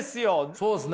そうっすね。